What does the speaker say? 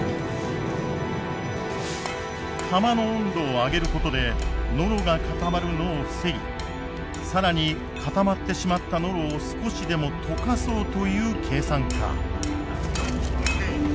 釜の温度を上げることでノロが固まるのを防ぎ更に固まってしまったノロを少しでも溶かそうという計算か。